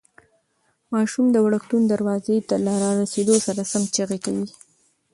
ماشوم د وړکتون دروازې ته له رارسېدو سره سم چیغې کوي.